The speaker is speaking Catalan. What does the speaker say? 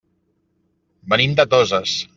Venim de Toses.